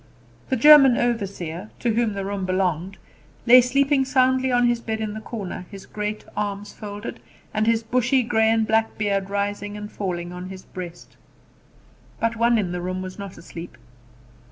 The German overseer, to whom the room belonged, lay sleeping soundly on his bed in the corner, his great arms folded, and his bushy grey and black beard rising and falling on his breast. But one in the room was not asleep.